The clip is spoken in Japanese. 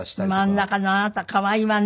真ん中のあなた可愛いわね。